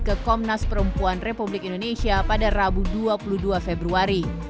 ke komnas perempuan republik indonesia pada rabu dua puluh dua februari